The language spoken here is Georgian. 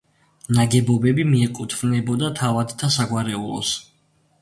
ნაგებობები მიეკუთვნებოდა თავადთა საგვარეულოს.